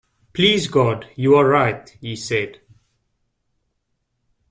"Please God you are right," he said.